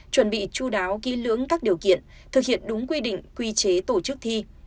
chuẩn bị chú đáo kỹ lưỡng các điều kiện thực hiện đúng quy định quy chế tổ chức thi